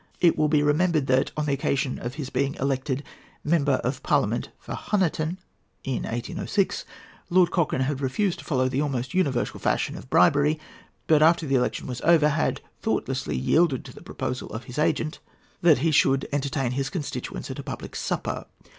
It will be remembered that, on the occasion of his being elected Member of Parliament for Honiton in 1806, Lord Cochrane had refused to follow the almost universal fashion of bribery, but, after the election was over, had thoughtlessly yielded to the proposal of his agent that he should entertain his constituents at a public supper.